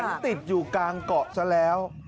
มันติดอยู่กลางเกาะซะแล้ว